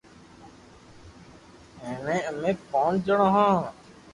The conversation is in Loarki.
ائمي امي پونچ جڻو ھون